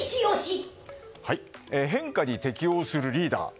変化に適応するリーダー。